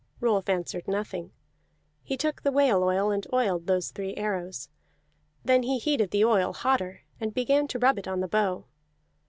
Rolf answered nothing. He took the whale oil and oiled those three arrows. Then he heated the oil hotter, and began to rub it on the bow.